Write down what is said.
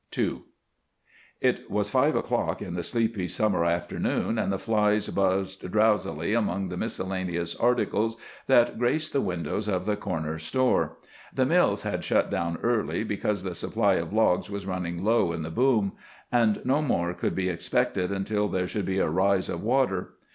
II It was five o'clock in the sleepy summer afternoon, and the flies buzzed drowsily among the miscellaneous articles that graced the windows of the Corner Store. The mills had shut down early, because the supply of logs was running low in the boom, and no more could be expected until there should be a rise of water.